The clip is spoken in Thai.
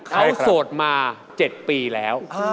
เขาโสดมา๗ปีแล้ว